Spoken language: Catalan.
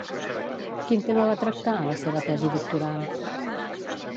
Quin tema va tractar a la seva tesi doctoral?